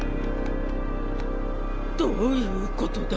どういうことだ？